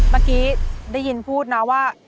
เมื่อกี้ได้ยินพูดนะว่า